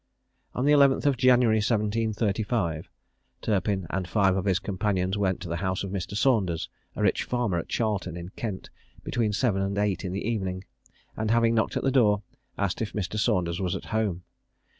On the 11th of January, 1735, Turpin and five of his companions went to the house of Mr. Saunders, a rich farmer at Charlton, in Kent, between seven and eight in the evening, and, having knocked at the door, asked if Mr. Saunders was at home.